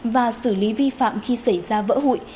và xử lý vi phạm khi xảy ra vỡ hụi